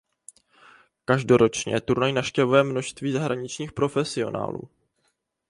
Každoročně turnaj navštěvuje množství zahraničních profesionálů.